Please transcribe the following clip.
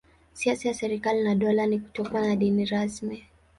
Siasa ya serikali na dola ni kutokuwa na dini rasmi.